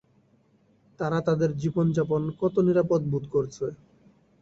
তারা তাদের জীবনযাপন কত নিরাপদ বোধ করছে।